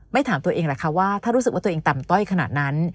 ถามตัวเองแหละค่ะว่าถ้ารู้สึกว่าตัวเองต่ำต้อยขนาดนั้น